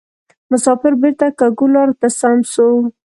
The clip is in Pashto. مسافر بیرته کږو لارو ته سم سو